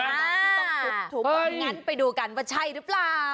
อ่าถูกตรงนั้นไปดูกันว่าใช่หรือเปล่า